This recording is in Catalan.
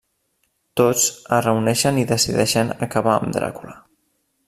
Tots es reuneixen i decideixen acabar amb Dràcula.